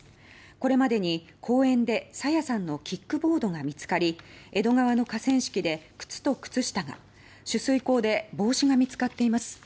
これまでに公園で朝芽さんのキックボードが見つかり江戸川の河川敷で靴と靴下が取水口で帽子が見つかっています。